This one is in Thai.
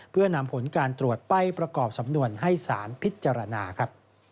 เพื่อนำผลการตรวจไปประกอบสำนวนให้สารพิจารณาครับ